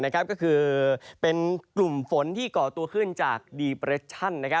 ก็คือเป็นกลุ่มฝนที่ก่อตัวขึ้นจากดีเปรชั่น